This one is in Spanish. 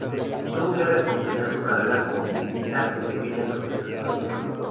Tuvo que recomenzar su carrera como pianista en pequeñas orquestas de baile.